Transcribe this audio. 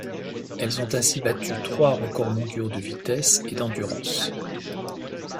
Elles ont ainsi battu trois records mondiaux de vitesse et d'endurance.